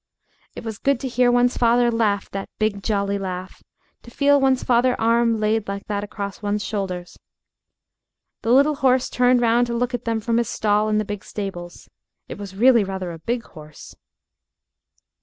It was good to hear one's father laugh that big, jolly laugh to feel one's father's arm laid like that across one's shoulders. The little horse turned round to look at them from his stall in the big stables. It was really rather a big horse.